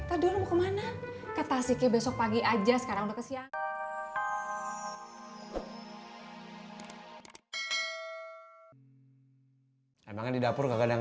emak mau beli mukena yang baru